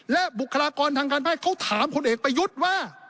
และบุคลากรทางการแพทย์เขาถามผลเอกประยุทธ์ว่า